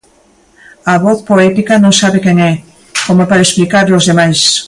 A voz poética non sabe quen é, como para explicarllo aos demais.